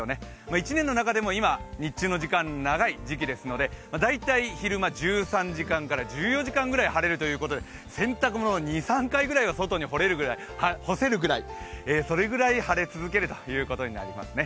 一年の中でも今、日中の時間長い時間ですので、大体昼間、１３時間から１４時間、晴れるということで洗濯物、２３回くらい外に干せるくらい晴れるということになりますね。